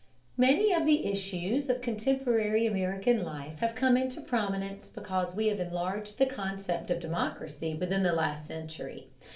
Many of the issues of contemporary American life have come into prominence because we have enlarged the concept of democracy within the last century.